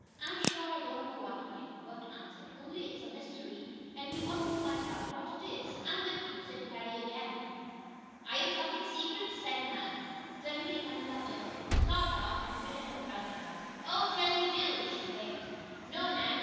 "I'm sure I don't know what to think," Bert answered. "Only it's a mystery, and we ought to find out what it is." "I'm with you," said Harry again. "Are you talking secrets?" asked Nan, suddenly coming up just then. "Sort of," admitted her brother, laughing. "Oh, tell me do!" she begged. "No, Nan.